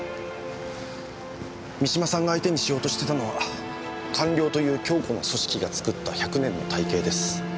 三島さんが相手にしようとしてたのは官僚という強固な組織が作った１００年の大計です。